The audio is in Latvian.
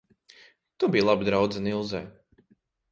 Tu biji laba draudzene Ilzei.